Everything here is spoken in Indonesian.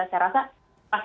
saya rasa pas kembali